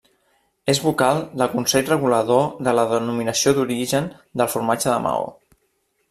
És vocal del consell regulador de la Denominació d'origen del formatge de Maó.